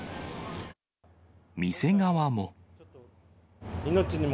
店側も。